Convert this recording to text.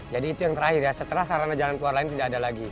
dan yang terakhir ya setelah sarana jalan keluar lain tidak ada lagi